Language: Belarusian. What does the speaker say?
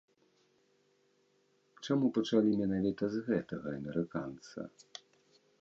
Чаму пачалі менавіта з гэтага амерыканца?